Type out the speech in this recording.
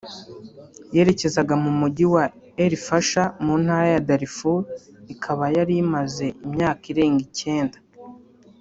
yerekezaga mu mujyi wa El Fasher mu ntara ya Darfur ikaba yari imaze imyaka irenga icyenda